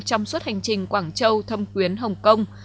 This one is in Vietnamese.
trong suốt hành trình quảng châu thâm quyến hồng kông